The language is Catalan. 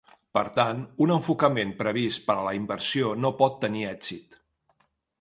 Per tant, un enfocament previst per a la inversió no pot tenir èxit.